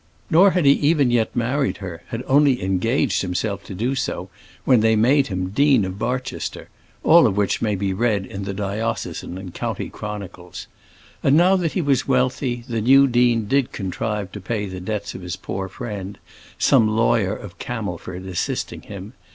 Nor had he even yet married her, had only engaged himself so to do, when they made him Dean of Barchester all which may be read in the diocesan and county chronicles. And now that he was wealthy, the new dean did contrive to pay the debts of his poor friend, some lawyer of Camelford assisting him.